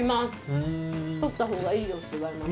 取ったほうがいいよって言われます。